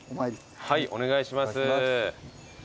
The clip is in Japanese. はいお願いします。